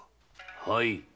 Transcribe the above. はい。